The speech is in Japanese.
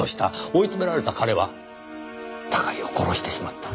追い詰められた彼は高井を殺してしまった。